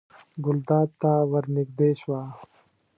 ګلداد ته ور نږدې شوه.